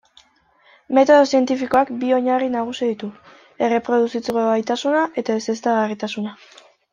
Metodo zientifikoak bi oinarri nagusi ditu: erreproduzitzeko gaitasuna eta ezeztagarritasuna.